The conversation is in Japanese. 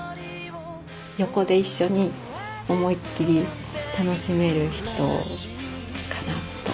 横で一緒に思いっきり楽しめる人かなと。